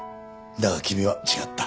だが君は違った。